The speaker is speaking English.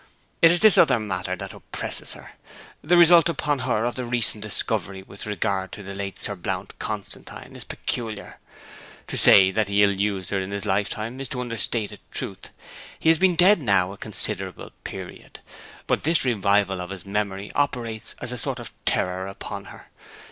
It is this other matter that oppresses her. The result upon her of the recent discovery with regard to the late Sir Blount Constantine is peculiar. To say that he ill used her in his lifetime is to understate a truth. He has been dead now a considerable period; but this revival of his memory operates as a sort of terror upon her.